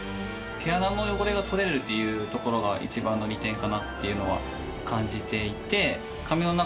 毛穴の汚れが取れるっていうところが一番の利点かなっていうのは感じていて。